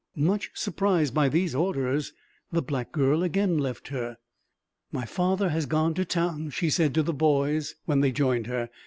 Much surprised by these orders, the black girl again left her. "My father has gone to town," she said to the boys, when they joined her.